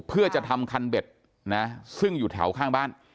เพื่อจะทำคันเบ็ดนะซึ่งอยู่แถวข้างบ้าน